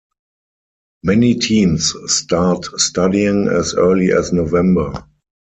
Many teams start studying as early as November.